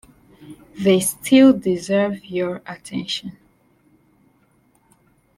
They still deserve your attention.